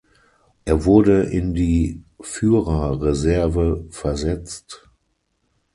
Er wurde in die Führerreserve versetzt.